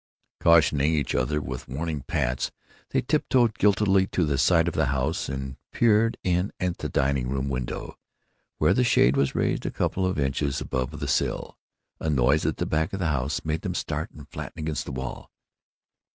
Cautioning each other with warning pats, they tiptoed guiltily to the side of the house and peered in at the dining room window, where the shade was raised a couple of inches above the sill. A noise at the back of the house made them start and flatten against the wall.